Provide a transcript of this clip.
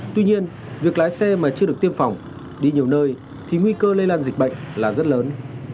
tuy nhiên việc lái xe mà chưa được tiêm phòng đi nhiều nơi thì nguy cơ lây lan dịch bệnh là rất lớn